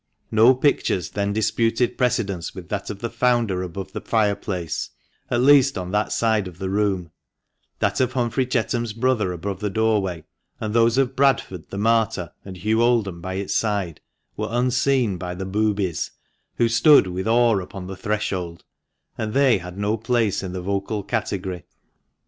No pictures then dis puted precedence with that of the Founder above the fireplace, at least on that side of the room That of Humphrey Chetham's brother above the doorway, and those of Bradford, the Martyr, and Hugh Oklham by its side, were unseen by the "boobies" who stood with awe upon the threshold, and they had no place in the vocal category.